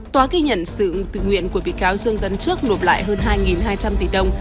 tòa ghi nhận sự tự nguyện của bị cáo dương tấn trước nộp lại hơn hai hai trăm linh tỷ đồng